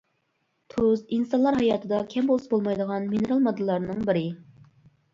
تۇز ئىنسانلار ھاياتىدا كەم بولسا بولمايدىغان مىنېرال ماددىلارنىڭ بىرى.